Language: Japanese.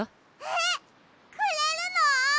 えっくれるの？